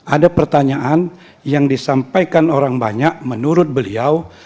ada pertanyaan yang disampaikan orang banyak menurut beliau